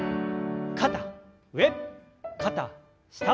肩上肩下。